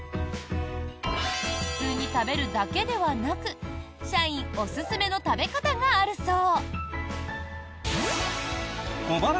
普通に食べるだけではなく社員おすすめの食べ方があるそう。